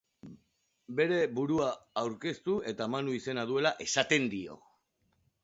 Bere burua aurkeztu eta Manu izena duela esaten dio.